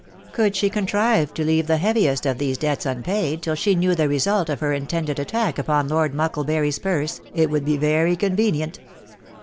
Could she contrive to leave the heaviest of these debts unpaid till she knew the re sult of her intended attack upon Lord Mucklebury's purse, it would be very convenient.